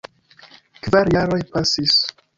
Kvar jaroj pasis.